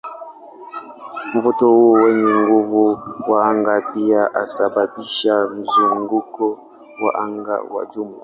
Mvuto huu wenye nguvu wa anga pia husababisha mzunguko wa anga wa jumla.